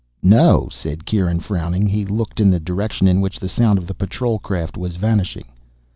"No," said Kieran, frowning. He looked in the direction in which the sound of the patrol craft was vanishing.